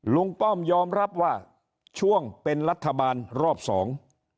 ป้อมยอมรับว่าช่วงเป็นรัฐบาลรอบสอง